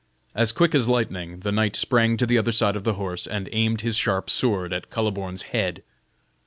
As quick as lightning, the knight sprang to the other side of the horse, and aimed his sharp sword at Kuhleborn's head.